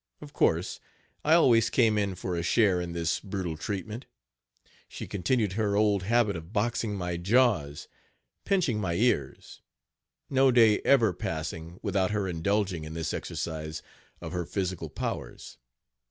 Of course, I always came in for a share in this brutal treatment. She continued her old habit of boxing my jaws, pinching my ears; no day ever passing without her indulging in this exercise of her physical powers.